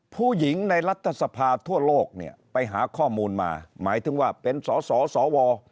ผู้หญิงในรัฐสภาทั่วโลกเนี่ยไปหาข้อมูลมาหมายถึงว่าเป็นสสว